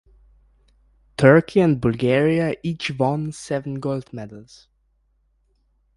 Turkey and Bulgaria each won seven gold medals.